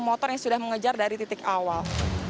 motor yang sudah mengejar dari titik awal